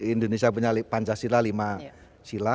indonesia punya pancasila lima sila